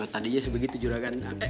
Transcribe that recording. tadinya sebegitu juragan